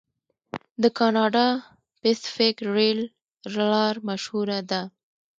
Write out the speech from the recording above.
د کاناډا پیسفیک ریل لار مشهوره ده.